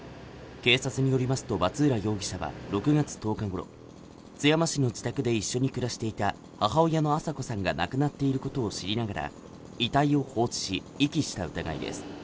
警察によりますと松浦容疑者は６月１０日ごろ津山市の自宅で一緒に暮らしていた母親のアサコさんが亡くなっていることを知りながら遺体を放置し遺棄した疑いです